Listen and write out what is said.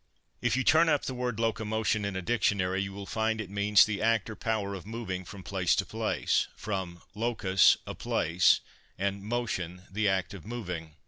If you turn up the word "locomotion" in a dictionary, you will find it means "the act or power of moving from place to place"; from locus, a place, and motion, the act of moving.